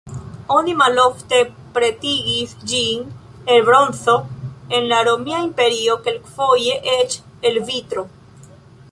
Oni malofte pretigis ĝin el bronzo, en la Romia imperio kelkfoje eĉ el vitro.